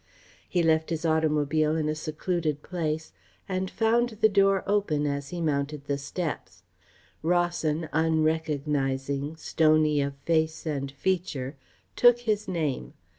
He left his automobile in a secluded place and found the door open as he mounted the steps. Rawson, unrecognising, stony of face and feature, took his name.